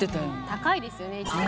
高いですよね。